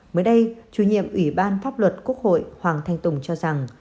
mới đây chủ nhiệm ủy ban pháp luật quốc hội hoàng thanh tùng cho rằng